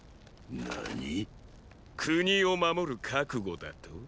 何ィ⁉国を守る覚悟だと？